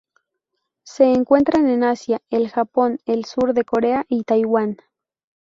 Se encuentran en Asia: el Japón, el sur de Corea y Taiwán.